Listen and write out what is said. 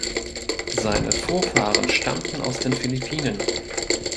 Seine Vorfahren stammten aus den Philippinen.